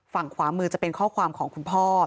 ฝั่งขวามือจะเป็นข้อความของคุณพ่อ